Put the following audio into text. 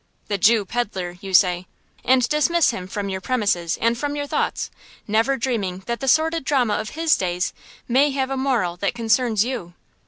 "The Jew peddler!" you say, and dismiss him from your premises and from your thoughts, never dreaming that the sordid drama of his days may have a moral that concerns you.